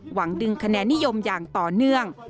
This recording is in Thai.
หวังดึงคะแนนนิยมอย่างต่อเนื่อง